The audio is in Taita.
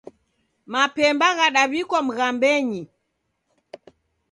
Mapemba ghadaw'ikwa mghambenyi